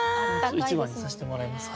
一番にさせてもらいます。